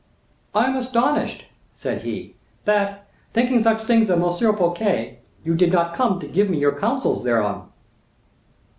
"I am astonished," said he, "that, thinking such things of M. Fouquet, you did not come to give me your counsels thereupon."